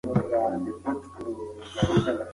ناخوښه کړنې ځینې وختونه خطرناک دي.